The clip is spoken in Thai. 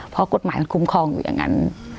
เพราะกฎหมายมันคุ้มครองอยู่อย่างนั้น